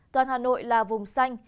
toàn hà nội là vùng xanh